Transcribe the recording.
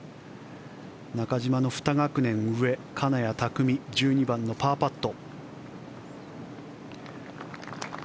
中島の２学年上、金谷拓実１２番のパーパット。